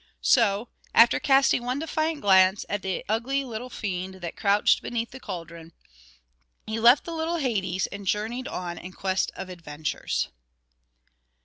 So, after casting one defiant glance at the ugly little fiend that crouched beneath the cauldron, he left the little Hades and journeyed on in quest of adventures.